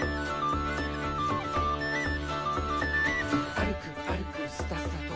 「あるくあるくスタスタと」